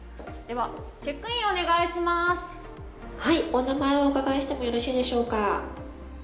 はい、お名前をお伺いしてもよろしいでしょうか。